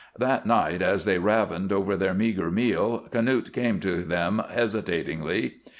That night, as they ravened over their meager meal, Knute came to them, hesitatingly.